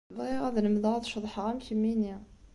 Bɣiɣ ad lemdeɣ ad ceḍḥeɣ am kemmini.